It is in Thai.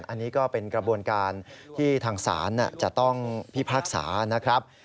อันนี้ก็เป็นกระบวนการที่ทางศาลจะต้องพิพากษานะครับ